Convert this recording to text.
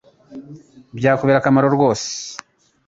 Bya kubera akamaro rwose